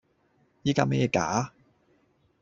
依家咩價?